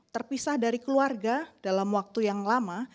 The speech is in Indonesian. terpisah dari keluarga dalam waktu yang lama